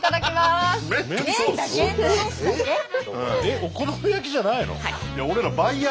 お好み焼きじゃないの？